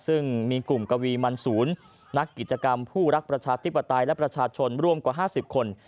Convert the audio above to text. ซึ่งมีกลุ่มกวีมันศูนย์นักกิจกรรมผู้รักประชาธิปไตยและประชาชนร่วมกว่า๕๐คน